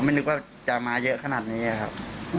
นึกว่าจะมาเยอะขนาดนี้ครับ